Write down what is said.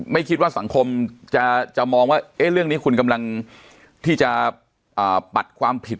ไม่คิดว่าสังคมจะมองว่าเรื่องนี้คุณกำลังที่จะปัดความผิด